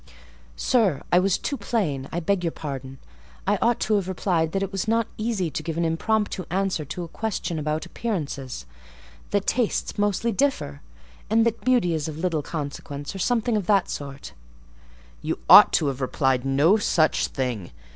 "Sir, I was too plain; I beg your pardon. I ought to have replied that it was not easy to give an impromptu answer to a question about appearances; that tastes mostly differ; and that beauty is of little consequence, or something of that sort." "You ought to have replied no such thing.